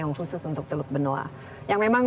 yang khusus untuk teluk benoa yang memang